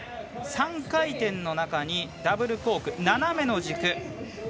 ３回転の中にダブルコーク斜めの軸。